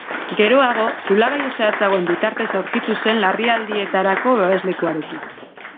Geroago, zulagailu zehatzagoen bitartez aurkitu zen larrialdietarako babeslekuarekin.